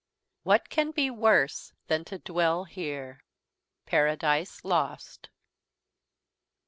"What can be worse, Than to dwell here!" _Paradise Lost.